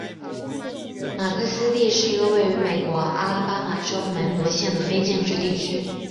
马尼斯蒂是一个位于美国阿拉巴马州门罗县的非建制地区。